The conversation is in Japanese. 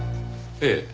ええ。